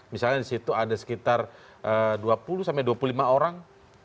misalnya di situ ada sekitar dua puluh dua puluh lima orang